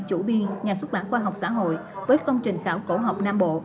chủ biên nhà xuất bản khoa học xã hội với phong trình khảo cổ học nam bộ